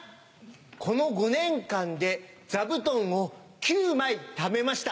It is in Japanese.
この５年間で座布団を９枚ためました。